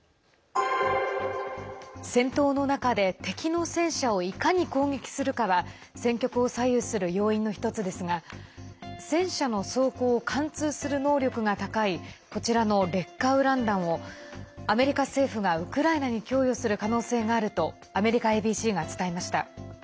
戦闘の中で敵の戦車をいかに攻撃するかは戦局を左右する要因の１つですが戦車の装甲を貫通する能力が高いこちらの劣化ウラン弾をアメリカ政府がウクライナに供与する可能性があるとアメリカＡＢＣが伝えました。